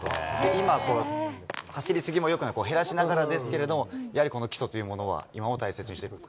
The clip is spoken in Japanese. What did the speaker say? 今、走り過ぎもよくない、減らしながらですけれども、やはりこの基礎というものは今も大切にしてると。